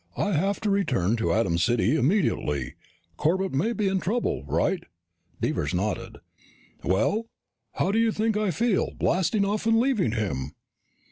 I have to return to Atom City immediately. Corbett may be in trouble, right?" Devers nodded. "Well, how do you think I feel, blasting off and leaving him?"